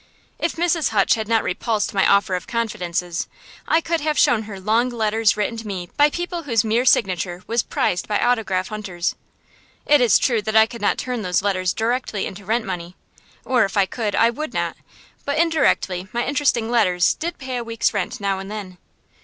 If Mrs. Hutch had not repulsed my offer of confidences, I could have shown her long letters written to me by people whose mere signature was prized by autograph hunters. It is true that I could not turn those letters directly into rent money, or if I could, I would not, but indirectly my interesting letters did pay a week's rent now and then.